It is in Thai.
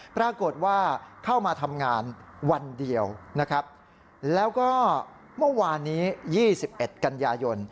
ปรากฏว่าเข้ามาทำงานวันเดียวนะครับแล้วก็เมื่อวานนี้๒๑กันยายน